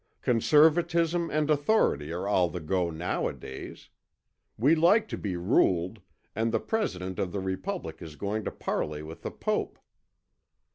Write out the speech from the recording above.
Conservatism and authority are all the go nowadays. We like to be ruled, and the President of the Republic is going to parley with the Pope.